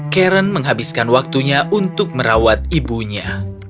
karen menghabiskan waktunya untuk merawat ibunya